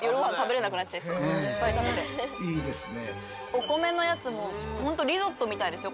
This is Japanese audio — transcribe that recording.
お米のやつも本当リゾットみたいですよ。